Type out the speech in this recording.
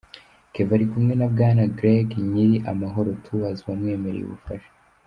Kevin ari kumwe na Bwana Greg nyiri Amahoro Tours wamwemereye ubufasha.